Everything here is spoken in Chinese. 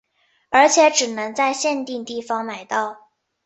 而且只能在限定地方买到。